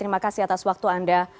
terima kasih banyak untuk